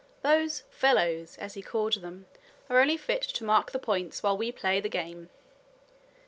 Those "fellows," as he called them, "are only fit to mark the points, while we play the game."